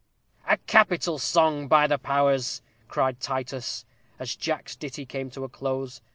_ "A capital song, by the powers!" cried Titus, as Jack's ditty came to a close.